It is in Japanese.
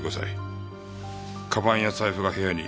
かばんや財布は部屋に。